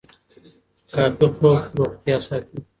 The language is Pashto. کافي خوب روغتیا ساتي.